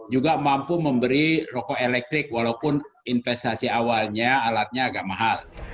juga mampu memberi rokok elektrik walaupun investasi awalnya alatnya agak mahal